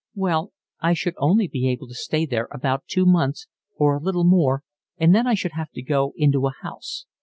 "Well, I should only be able to stay there about two months or a little more, and then I should have to go into a house.